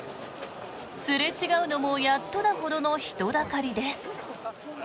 すれ違うのもやっとなほどの人だかりです。